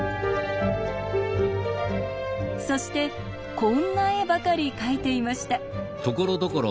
そしてこんな絵ばかり描いていました。